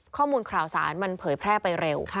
ข้อมูลข่าวสารมันเผยแพร่ไปเร็ว